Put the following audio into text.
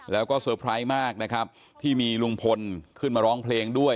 แล้วก็เตอร์ไพรส์มากนะครับที่มีลุงพลขึ้นมาร้องเพลงด้วย